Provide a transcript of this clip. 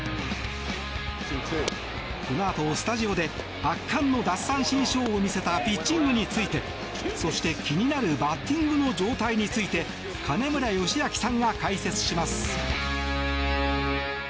このあとスタジオで圧巻の奪三振ショーを見せたピッチングについてそして、気になるバッティングの状態について金村義明さんが解説します。